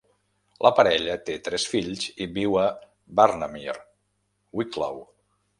La parella té tres fills i viu a Barnamire, Wicklow.